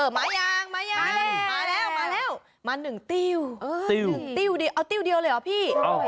มายังมาแล้วมา๑ติ้วเอาติ้วเดียวเลยหรอพี่